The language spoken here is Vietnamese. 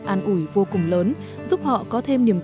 an ủi vô cùng lớn giúp họ có thêm những lời cảm ơn